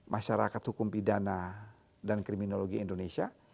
masyarakat hukum pidana dan kriminologi indonesia